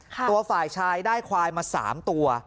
ตัวฝ่ายชายได้ควายมา๓ตัว